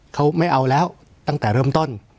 เขาไม่เอาแล้วตั้งแต่เริ่มต้น